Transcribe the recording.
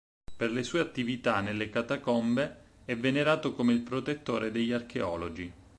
Per le sue attività nelle catacombe è venerato come il protettore degli archeologi.